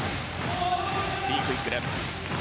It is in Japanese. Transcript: Ｂクイックです。